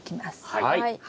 はい。